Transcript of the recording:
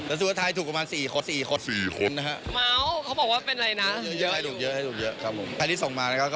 และสุดท้ายถูกน้ำพี่นานบาน๔ควบ